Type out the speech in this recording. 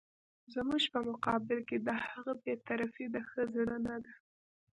زموږ په مقابل کې د هغه بې طرفي د ښه زړه نه ده.